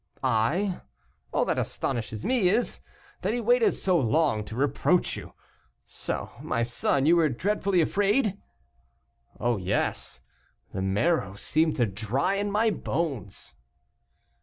"I? all that astonishes me is, that he waited so long to reproach you. So, my son, you were dreadfully afraid?" "Oh, yes, the marrow seemed to dry in my bones."